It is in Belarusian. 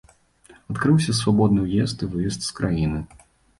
Адкрыўся свабодны ўезд і выезд з краіны.